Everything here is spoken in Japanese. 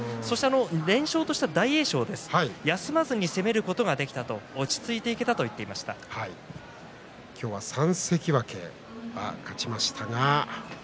連勝した大栄翔、休まずに攻めることができた落ち着いていけたと今日は３関脇が勝ちました。